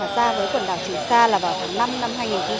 ra với quần đảo trường xa là vào tháng năm năm hai nghìn một mươi chín